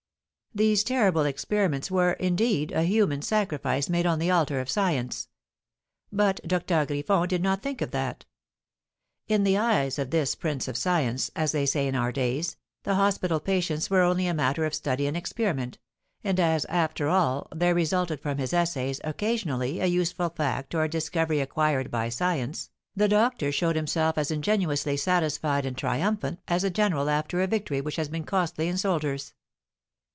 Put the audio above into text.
These terrible experiments were, indeed, a human sacrifice made on the altar of science; but Doctor Griffon did not think of that. In the eyes of this prince of science, as they say in our days, the hospital patients were only a matter of study and experiment; and as, after all, there resulted from his essays occasionally a useful fact or a discovery acquired by science, the doctor showed himself as ingenuously satisfied and triumphant as a general after a victory which has been costly in soldiers.